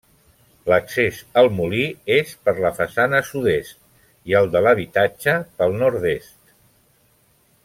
L'accés al molí és per la façana sud-est, i el de l'habitatge pel nord-est.